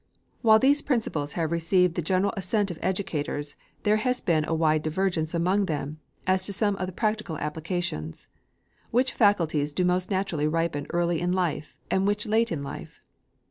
While these principles have received the general assent of educators, there has been a wide divergence among them as to some of the practical applications. Which faculties do most naturally ripen early in life, and which late in life?